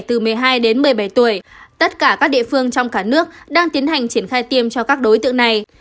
từ một mươi hai đến một mươi bảy tuổi tất cả các địa phương trong cả nước đang tiến hành triển khai tiêm cho các đối tượng này